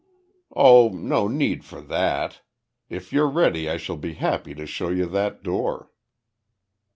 "Oh, no need for that. If you're ready I shall be happy to show you that door."